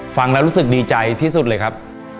ฟังแล้วรู้สึกดีใจที่สุดเลยครับ